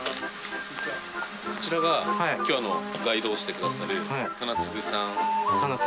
こちらが今日ガイドをしてくださる棚次さん。